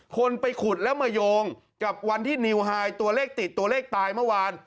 คนไปขุดแล้วมาโยงกับวันที่นิวไฮตัวเลขติดตัวเลขตายเมื่อวาน